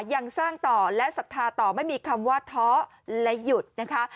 ยังสร้างต่อและศรัทธาต่อไม่มีคำว่าท้อและหยุดนะคะ